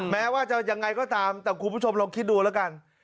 แม้ว่าจะยังไงก็ตามแต่คุณผู้ชมลองคิดดูแล้วกัน